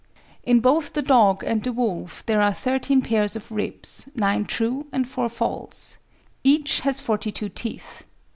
In both the dog and the wolf there are thirteen pairs of ribs, nine true and four false. Each has forty two teeth.